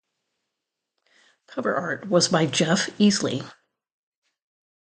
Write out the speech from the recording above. Cover art was by Jeff Easley.